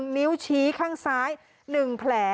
นิ้วชี้ข้างซ้าย๑แผล